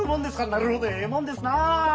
なるほどええもんですなあ！